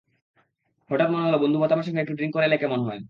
হঠাৎ মনে হলো বন্ধু বোথামের সঙ্গে একটু ড্রিংক করে এলে কেমন হয়।